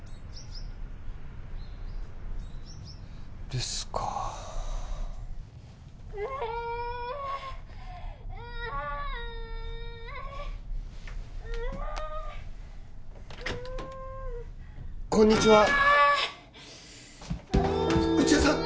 留守かこんにちは内田さん